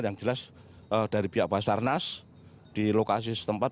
yang jelas dari pihak pasar nas di lokasi setempat